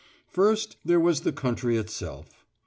First, there was the country itself.